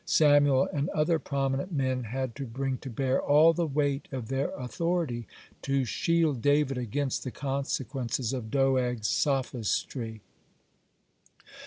Samuel and other prominent men had to bring to bear all the weight of their authority to shield David against the consequences of Doeg's sophistry.